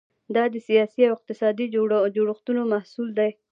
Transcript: دا د سیاسي او اقتصادي جوړښتونو محصول دی.